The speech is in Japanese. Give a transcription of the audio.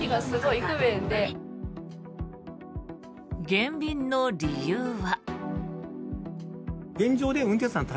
減便の理由は。